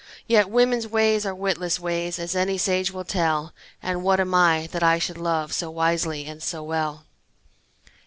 Yet women's ways are witless ways, As any sage will tell, And what am I, that I should love So wisely and so well?